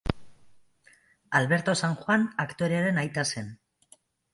Alberto San Juan aktorearen aita zen.